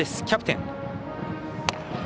キャプテン。